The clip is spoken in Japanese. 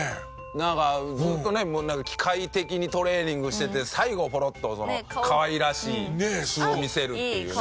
なんかずーっとね機械的にトレーニングしてて最後ホロッとかわいらしい素を見せるっていうね。